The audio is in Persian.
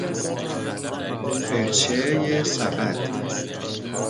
فرچه سبد